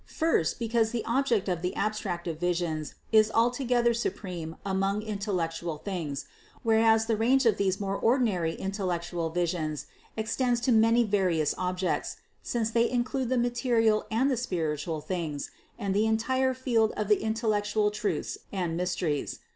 First, because the object of the abstractive visions is altogether supreme among intellectual things, whereas the range of these more ordinary intellectual visions ex tends to many various objects, since they include the ma terial and the spiritual things, and the entire field of in tellectual truths and mysteries.